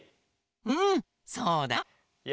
うんそうだよ！